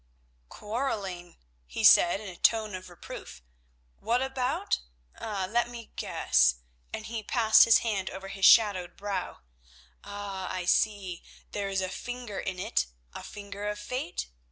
"Quarrelling," he said in a tone of reproof. "What about? Let me guess," and he passed his hand over his shadowed brow. "Ah! I see, there is a finger in it, a finger of fate?